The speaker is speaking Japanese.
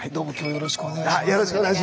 よろしくお願いします。